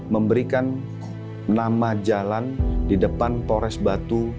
memberikan nama jalan di depan polres batu